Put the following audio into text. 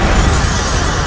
aku akan mempertahankanmu